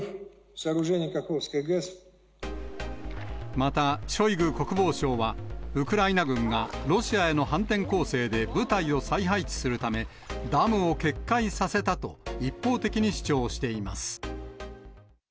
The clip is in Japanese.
またショイグ国防相は、ウクライナ軍がロシアへの反転攻勢で、部隊を再配置するため、ダムを決壊させたと、一方的に主張しています。